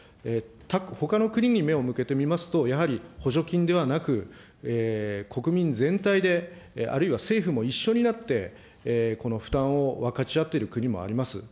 ほかの国に目を向けてみますと、やはり補助金ではなく、国民全体で、あるいは政府も一緒になって、この負担を分かち合っている国もあります。